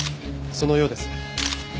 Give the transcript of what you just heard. そのようです。